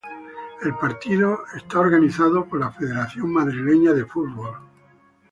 El partido es organizado por la Federación Marfileña de Fútbol.